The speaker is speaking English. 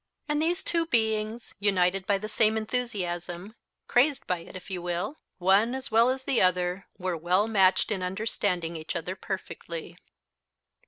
And these two beings, united by the same enthusiasm, crazed by it if you will, one as well as the other, were well matched in understanding each other perfectly.